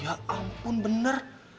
ya ampun bener